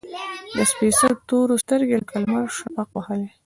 د سپیڅلو تورو، سترګې لکه لمر شفق وهلي